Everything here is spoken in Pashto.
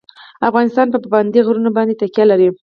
افغانستان په پابندی غرونه باندې تکیه لري.